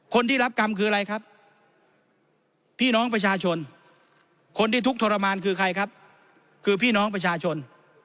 คนที่รับกรรมคืออะไรครับพี่น้องประชาชนคนที่ทุกข์ทรมานคือใครครับคือพี่น้องประชาชน